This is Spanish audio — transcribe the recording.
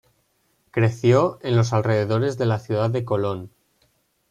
Creció en los alrededores de la Ciudad de Colón.